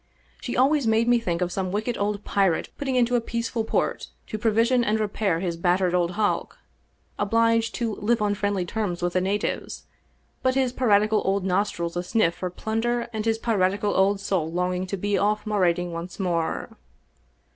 She always made me think of some wicked old pirate putting into a peaceful port to provision and repair his battered old hulk, obliged to live on friendly terms with the natives, but his piratical old nostrils asniff for plunder and his piratical old soul longing to be off marauding once more.